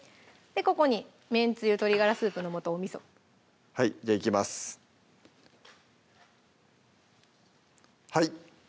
でここにめんつゆ・鶏ガラスープの素・おみそはいじゃあいきますはい！